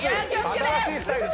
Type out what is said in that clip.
新しいスタイル。